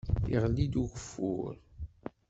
Iɣelli-d ugeffur.